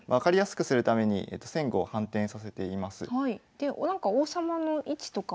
でなんか王様の位置とか。